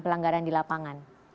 pelanggaran di lapangan